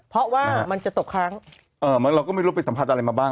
เพราะว่ามันจะตกค้างเราก็ไม่รู้ไปสัมผัสอะไรมาบ้าง